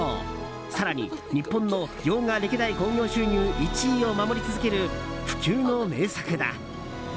更に日本の洋画歴代興行収入１位を守り続ける不朽の名作だ。